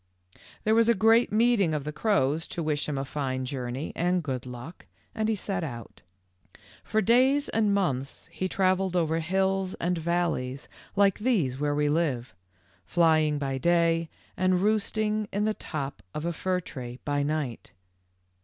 "There was a great meeting of the crows to wish him a fine journey and good luck, and he set out. For days and months he travelled over hills and valleys like these where we live, flying by day and roosting in the top of a fir tree by night.